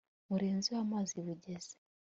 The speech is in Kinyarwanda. murenzeho amazi bugezi